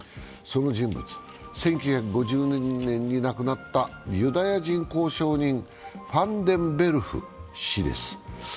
その人物、１９５０年に亡くなったユダヤ人公証人、ファンデンベルフ氏です。